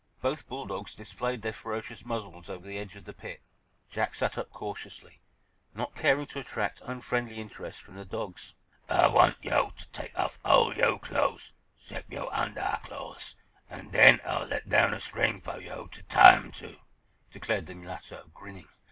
Both bull dogs displayed their ferocious muzzles over the edge of the pit. Jack sat up cautiously, not caring to attract unfriendly interest from the dogs. "Ah want yo' to take off all yo' clothes 'cept yo' undahclothes, an' den Ah'll let down a string fo' yo' to tie 'em to," declared the mulatto, grinning.